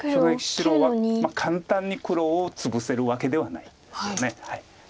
白は簡単に黒をツブせるわけではないですよね。